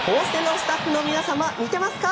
スタッフの皆様見てますか？